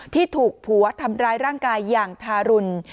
ที่ถูกผัวทำร้ายร่างกายอย่างทารุณ